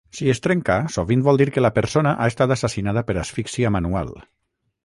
Si es trenca, sovint vol dir que la persona ha estat assassinada per asfíxia manual.